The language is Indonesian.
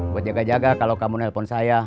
buat jaga jaga kalau kamu nelpon saya